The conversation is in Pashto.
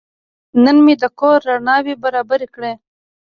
نن مې د کور رڼاوې برابرې کړې.